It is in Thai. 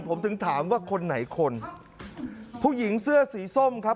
ผมถึงถามว่าคนไหนคนผู้หญิงเสื้อสีส้มครับ